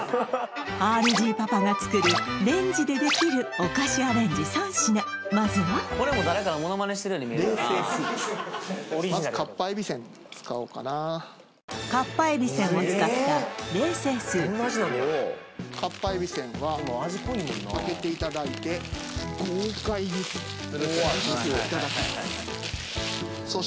ＲＧパパが作るレンジでできるお菓子アレンジ３品まずはかっぱえびせんを使った冷製スープかっぱえびせんは開けていただいて豪快に潰していただきます